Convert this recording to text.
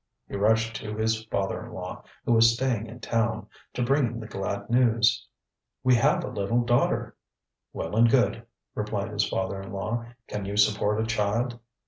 He rushed to his father in law, who was staying in town, to bring him the glad news. ŌĆ£We have a little daughter! ŌĆØ ŌĆ£Well and good, ŌĆØ replied his father in law; ŌĆ£can you support a child?